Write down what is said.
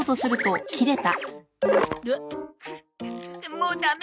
もうダメ。